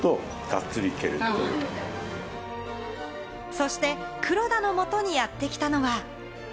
そして黒田の元にやってきたのは。